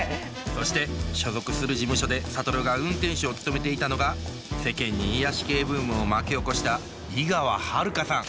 そして所属する事務所で諭が運転手を務めていたのが世間に癒やし系ブームを巻き起こした井川遥さん